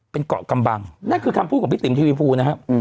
เป็นเกาะกำบังนั่นคือคำพูดของพี่ติ๋มทีวีฟูนะครับ